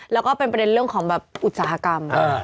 แล้วก็เป็นประเด็นเรื่องของแบบอุตสาหกรรม